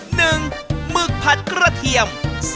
หมึกผัดกระเทียม